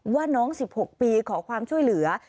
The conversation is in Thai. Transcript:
ว่าน้อง๑๖ปีขอความช่วยเหลือ